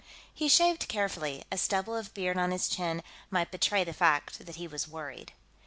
He shaved carefully; a stubble of beard on his chin might betray the fact that he was worried.